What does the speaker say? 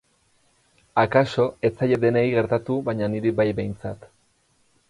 Akaso ez zaie denei gertatu baina niri bai behintzat.